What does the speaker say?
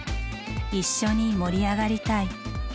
一緒に盛り上がりたい。